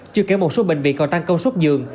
chưa kể một số bệnh viện còn tăng công suất dường